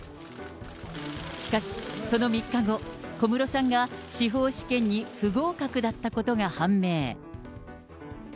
しかし、その３日後、小室さんが司法試験に不合格だったことが判明。